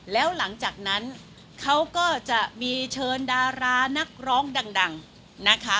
แล้วหลังจากนั้นเขาก็จะมีเชิญดารานักร้องดังนะคะ